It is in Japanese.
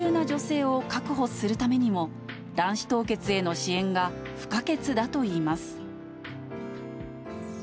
企業の担当者は、優秀な女性を確保するためにも、卵子凍結への支援が不可欠だといいます。